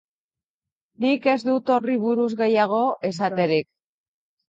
Nik ez dut horri buruz gehiago esaterik.